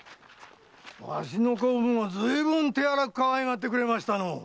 わしの子分をずいぶん手荒くかわいがってくれたのう。